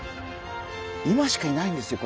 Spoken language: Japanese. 今しかいないんですよ